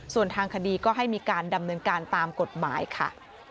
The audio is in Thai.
ส่วนทางคดีก็ให้มีการดำเนินการตามกฎหมายค่ะ